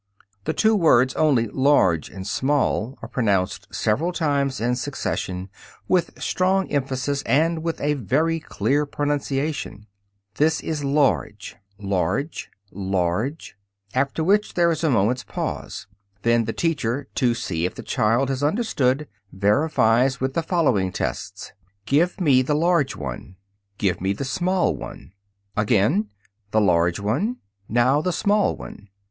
The two words only, large and small, are pronounced several times in succession with strong emphasis and with a very clear pronunciation, "This is large, large, large"; after which there is a moment's pause. Then the teacher, to see if the child has understood, verifies with the following tests: "Give me the large one. Give me the small one." Again, "The large one." "Now the small one."